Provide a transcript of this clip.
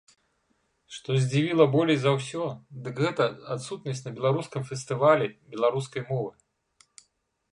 Што здзівіла болей за ўсё, дык гэта адсутнасць на беларускім фестывалі беларускай мовы.